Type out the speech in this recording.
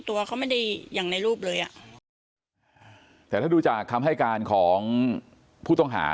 ตัวเขาไม่ได้อย่างในรูปเลยอ่ะแต่ถ้าดูจากคำให้การของผู้ต้องหา